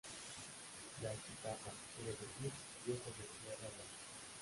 Tlaltizapán quiere decir "Pies sobre tierra blanca".